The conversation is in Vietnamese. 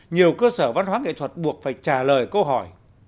nhiều cơ sở văn hóa nghệ thuật buộc phải trả lời câu hỏi